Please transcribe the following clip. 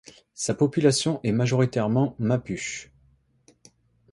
Sa population est majoritairement mapuche.